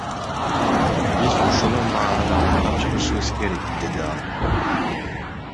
Биз ушунун баарын аныктап чыгышыбыз керек, — деди ал.